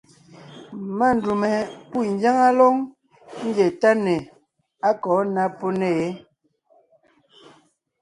Má ndûm we pû ngyáŋa lóŋ ńgie táne á kɔ̌ ná pó nè yé.